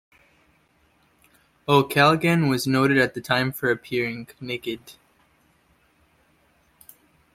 O'Callaghan was noted at the time for appearing naked.